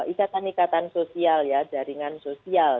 ikatan ikatan sosial ya jaringan sosial